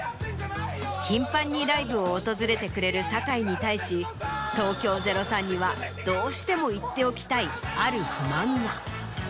頻繁にライブを訪れてくれる堺に対し東京０３にはどうしても言っておきたいある不満が。